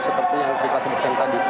seperti yang kita sebutkan tadi